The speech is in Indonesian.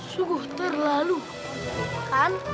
sudah terlalu kan